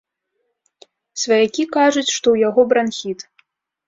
Сваякі кажуць, што ў яго бранхіт.